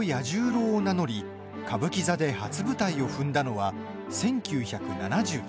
十郎を名乗り歌舞伎座で初舞台を踏んだのは１９７３年。